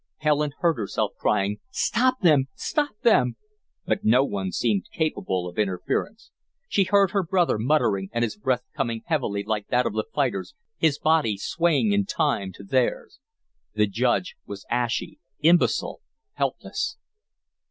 Helen heard herself crying: "Stop them! Stop them!" But no one seemed capable of interference. She heard her brother muttering and his breath coming heavily like that of the fighters, his body swaying in time to theirs. The Judge was ashy, imbecile, helpless.